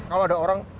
kalau ada orang